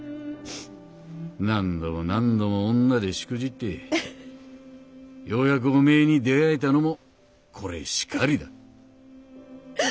何度も何度も女でしくじってようやくおめえに出会えたのもこれしかりだ」。